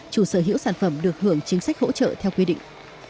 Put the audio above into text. chủ sở hữu sản phẩm được hưởng chính sách hỗ trợ theo quy định